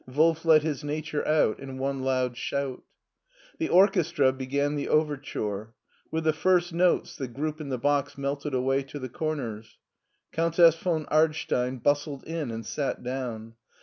Wolf let his nature out in one loud shout. The orchestra began the overture. With the first notes the group in the box melted away to the comers. Coimtess von Ardstein bustled in and sat down.